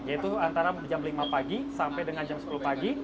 yaitu antara jam lima pagi sampai dengan jam sepuluh pagi